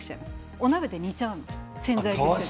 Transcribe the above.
お鍋で煮ちゃうの洗剤で。